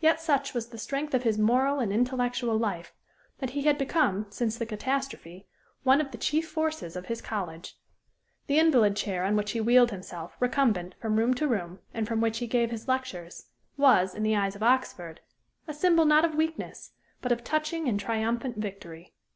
Yet such was the strength of his moral and intellectual life that he had become, since the catastrophe, one of the chief forces of his college. The invalid chair on which he wheeled himself, recumbent, from room to room, and from which he gave his lectures, was, in the eyes of Oxford, a symbol not of weakness, but of touching and triumphant victory.